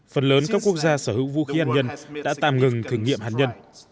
phần lớn các quốc gia sở hữu vũ khí hắt nhân đã tạm ngừng thử nghiệm hắt nhân